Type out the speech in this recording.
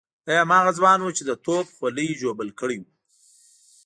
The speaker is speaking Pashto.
دی هماغه ځوان وو چې د توپ خولۍ ژوبل کړی وو.